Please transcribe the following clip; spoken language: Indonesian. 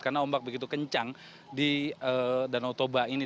karena ombak begitu kencang di danau toba ini